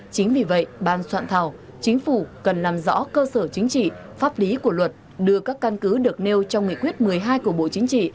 chính vì vậy ban soạn thảo chính phủ cần làm rõ cơ sở chính trị pháp lý của luật đưa các căn cứ được nêu trong nghị quyết một mươi hai của bộ chính trị